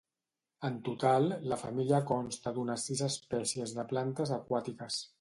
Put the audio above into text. En total la família consta d'unes sis espècies de plantes aquàtiques.